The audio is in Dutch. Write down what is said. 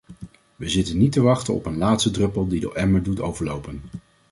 We zitten niet te wachten op een laatste druppel die de emmer doet overlopen.